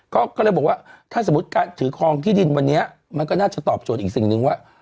ก็เลยบอกว่าถ้าสมมุติการถือครองที่ดินวันนี้มันก็น่าจะตอบโจทย์อีกสิ่งหนึ่งว่า